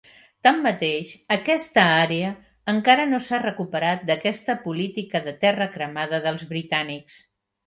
Tanmateix, aquesta àrea encara no s'ha recuperat d'aquesta política de terra cremada dels britànics.